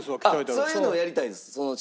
そういうのはやりたいんです。